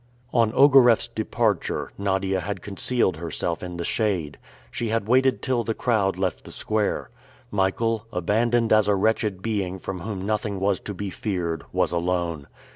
On Ogareff's departure, Nadia had concealed herself in the shade. She had waited till the crowd left the square. Michael, abandoned as a wretched being from whom nothing was to be feared, was alone.